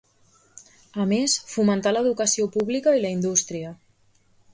A més, fomentà l'educació pública i la indústria.